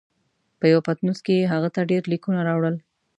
په یوه پتنوس کې یې هغه ته ډېر لیکونه راوړل.